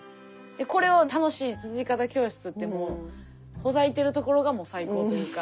これを「楽しい『つづり方』教室」ってもうほざいてるところがもう最高というか。